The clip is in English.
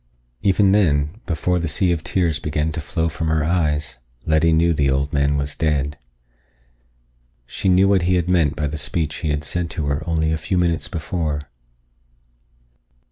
Even then, before the sea of tears began to flow from her eyes, Letty knew the old man was dead. She knew what he had meant by the speech he had said to her only a few minutes before.